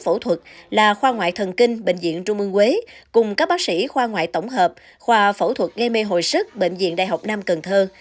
phẫu thuật là khoa ngoại thần kinh bệnh viện trung mương quế cùng các bác sĩ khoa ngoại tổng hợp khoa phẫu thuật nghe mê hồi sức bệnh viện đại học nam cần thơ